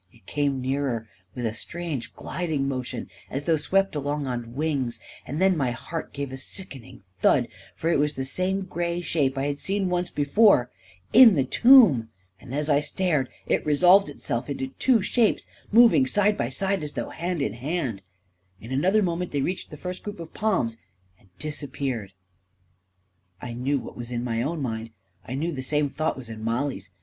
It came nearer, with a strange, gliding motion, as though swept along on wings; and then my heart gave a A KING IN BABYLON 289 sickening thud, for it was the same gray shape I had seen once before — in the tombl And as I stared, it resolved itself into two shapes, moving side by side — as though hand in hand I In another mo ment, they reached the first group of palms and dis appeared I knew what was in my own mind — I knew the same thought was in Mollie's.